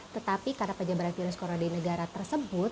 tetapi karena penyebaran virus corona di negara tersebut